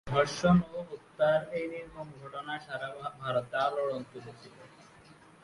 ধর্ষণ ও হত্যার এই নির্মম ঘটনা সারা ভারতে আলোড়ন তুলেছিল।